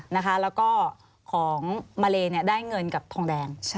นะคะแล้วก็ของมะเลเนี่ยได้เงินกับทองแดง